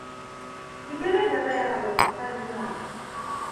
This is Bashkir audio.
Иртәрәк ятайыҡ әле, Сәрбиназ.